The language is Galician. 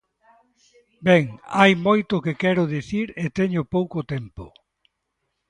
Ben, hai moito que quero dicir e teño pouco tempo.